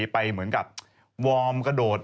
เหมือนกับวอร์มกระโดด